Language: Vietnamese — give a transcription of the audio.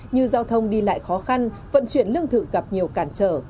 như giao thông đi lại khó khăn vận chuyển lương thực gặp nhiều cản trở